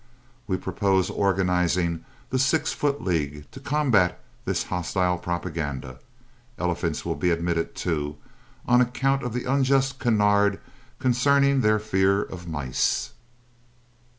We purpose organizing the Six Foot League to combat this hostile propaganda. Elephants will be admitted, too, on account of the unjust canard concerning their fear of mice.